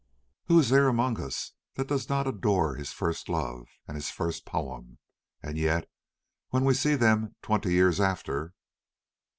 Who is there among us that does not adore his first love and his first poem? And yet when we see them twenty years after!